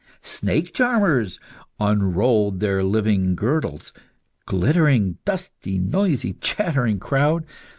Snake charmers unrolled their living girdles. A glittering, dusty, noisy, chattering crowd!